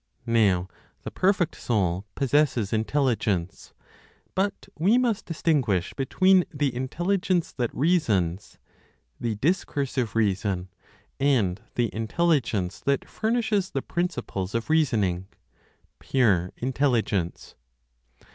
Now the perfect Soul possesses intelligence; but we must distinguish between the intelligence that reasons (the discursive reason), and the Intelligence that furnishes the principles of reasoning (pure intelligence).